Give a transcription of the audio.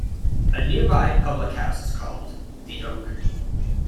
A nearby public house is called "The Oak".